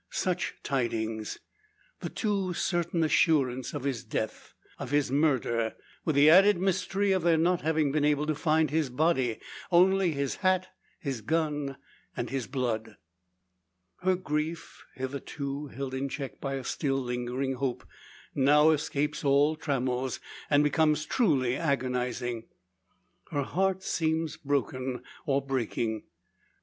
Such tidings! The too certain assurance of his death of his murder with the added mystery of their not having been able to find his body. Only his hat, his gun, his blood! Her grief, hitherto held in check by a still lingering hope, now escapes all trammels, and becomes truly agonising. Her heart seems broken, or breaking.